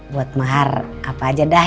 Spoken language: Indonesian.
buat mahar apa aja dah